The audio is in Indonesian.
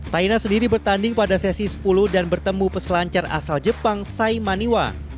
taina sendiri bertanding pada sesi sepuluh dan bertemu peselancar asal jepang sai maniwa